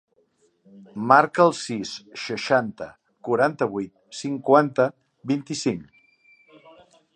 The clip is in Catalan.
Marca el sis, seixanta, quaranta-vuit, cinquanta, vint-i-cinc.